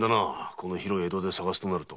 この広い江戸で捜すとなると。